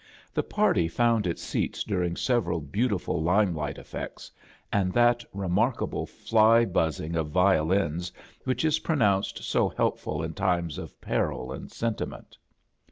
The party found its seats during several beautiful lime l^ht effects, and that remarkable fly buzziog of violins which is pronounced so helpful in times of peril and sentiment.